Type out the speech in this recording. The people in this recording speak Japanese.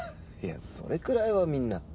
いやそれくらいはみんな。